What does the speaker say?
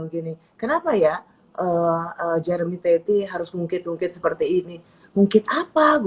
gini kenapa ya jeremy tthing harus mungkin mungkin seperti ini mungkin apa gua gitu